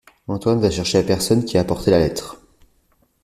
Antoine va chercher la personne qui a apporté la lettre.